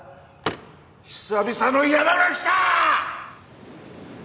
久々の山がきた！！